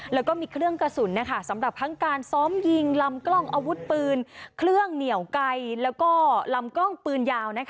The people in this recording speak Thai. แล้วก็มีเครื่องกระสุนสำหรับทั้งการซ้อมยิงลำกล้องอาวุธปืนเครื่องเหนียวไกลแล้วก็ลำกล้องปืนยาว